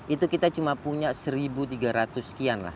itu kita cuma punya seribu tiga ratus sekian lah